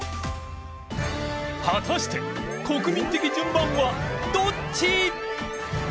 果たして国民的順番はどっち！？